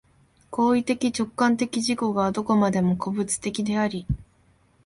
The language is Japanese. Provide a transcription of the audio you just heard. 行為的直観的自己がどこまでも個物的であり、